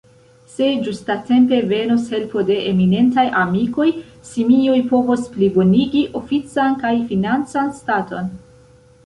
Se ĝustatempe venos helpo de eminentaj amikoj, Simioj povos plibonigi ofican kaj financan staton.